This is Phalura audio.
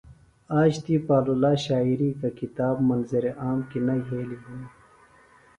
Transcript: آج تی پالولا شاعری گہ کتاب منظر عام کیۡ نہ یھیلیࣿ ہِنیࣿ۔